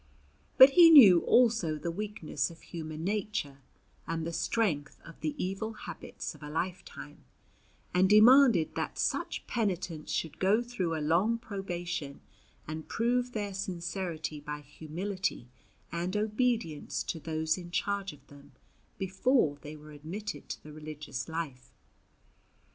But he knew also the weakness of human nature and the strength of the evil habits of a lifetime, and demanded that such penitents should go through a long probation and prove their sincerity by humility and obedience to those in charge of them before they were admitted to the religious life.